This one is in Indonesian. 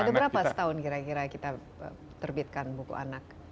sudah berapa setahun kira kira kita terbitkan buku anak